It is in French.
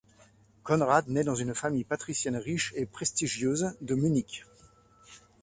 Conrad naît dans une famille patricienne, riche et prestigieuse de Munich.